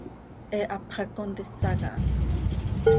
He hapx hac contisa caha.